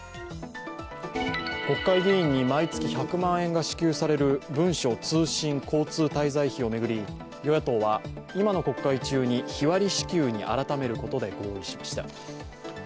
国会議員に毎月１００万円が支給される文書通信交通滞在費を巡り与野党は今の国会中に日割り支給に改めることで合意しました。